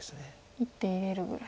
１手入れるぐらいと。